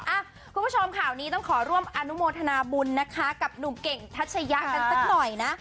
คุณผู้ชมข่าวนี้ต้องขอร่วมอนุโมทนาบุญนะคะกับหนุ่มเก่งทัชยะกันสักหน่อยนะ